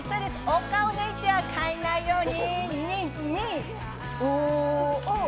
お顔の位置は変えないように。